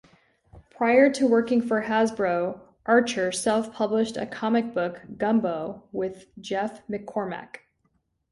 Prior to working for Hasbro, Archer self-published a comic book, "Gumbo", with Jeff McCormack.